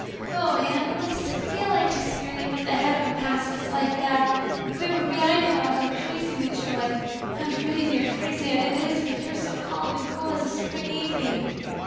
Oh, Anne, what does it feel like to see your name at the head of a pass list like that? If it were me I know I'd go crazy with joy. I am pretty near crazy as it is, but you're as calm and cool as a spring evening."